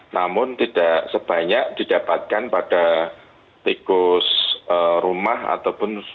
namun tidak sebanyak didapatkan pada tikus rumah ataupun